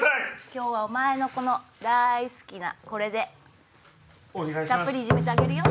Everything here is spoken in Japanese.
今日はお前のだい好きなこれでたっぷりいじめてあげるよ。